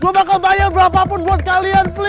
gue bakal bayar berapapun buat kalian